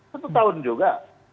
satu tahun juga